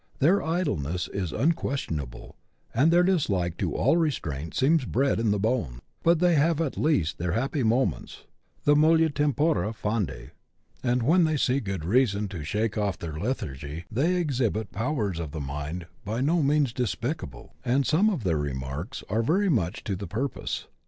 Their idleness is unquestionable, and their dislike to all restraint seems bred in the bone ; but they have at least their happy moments, the " mollia terapora fandi," and, when they see good reason to shake off their lethargy, they exhibit powers of mind by no means despicable, and some of their remarks are very much to the purpose.